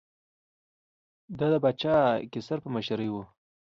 دا د پاچا قیصر په مشرۍ و